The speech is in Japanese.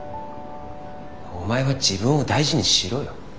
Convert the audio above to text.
お前は自分を大事にしろよ。